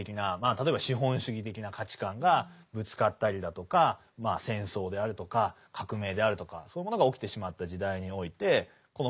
例えば資本主義的な価値観がぶつかったりだとかまあ戦争であるとか革命であるとかそういうものが起きてしまった時代においてこのままではいけないと。